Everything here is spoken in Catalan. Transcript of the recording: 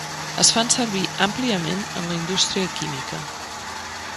Es fan servir àmpliament en la indústria química.